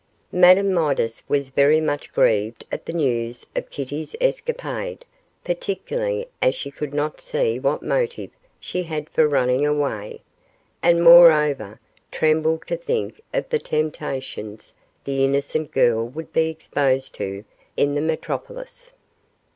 Madame Midas was very much grieved at the news of Kitty's Escapade, particularly as she could not see what motive she had for running away, and, moreover, trembled to think of the temptations the innocent girl would be exposed to in the metropolis.